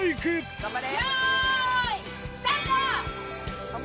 頑張れ！